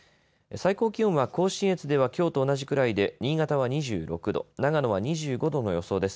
最高気温は甲信越ではきょうと同じくらいで新潟は２６度、長野は２５度の予想です。